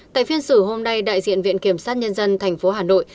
tại phiên xử hôm nay đại diện viện kiểm sát nhân dân tp hà nội